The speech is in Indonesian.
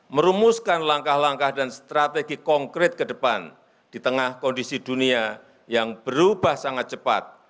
merumuskan langkah langkah dan strategi konkret ke depan di tengah kondisi dunia yang berubah sangat cepat